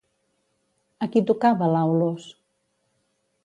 A qui tocava l'aulos?